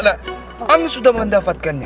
an year aement sudah mendapatkannya